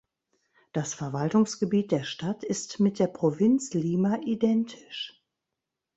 Das Verwaltungsgebiet der Stadt ist mit der Provinz Lima identisch.